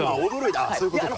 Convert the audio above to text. そういうことか。